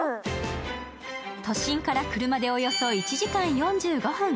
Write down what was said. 都心から車でおよそ１時間４５分。